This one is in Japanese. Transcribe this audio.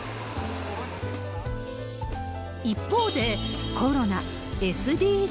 一方でコロナ、ＳＤＧｓ。